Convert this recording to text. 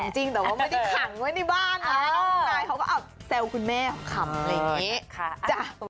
ห่วงจริงแต่ว่ามันไม่ได้ขังไว้ในบ้าน